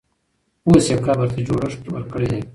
اوس یې قبر ته جوړښت ورکړی دی.